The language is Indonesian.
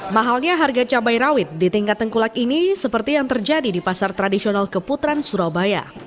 mahalnya harga cabai rawit di tingkat tengkulak ini seperti yang terjadi di pasar tradisional keputaran surabaya